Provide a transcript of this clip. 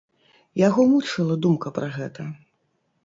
Яго мучыла думка пра гэта.